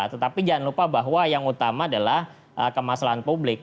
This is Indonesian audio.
tetapi jangan lupa bahwa yang utama adalah kemaslahan publik